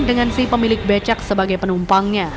dengan si pemilik becak sebagai penumpangnya